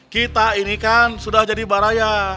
kita ini kan sudah jadi baraya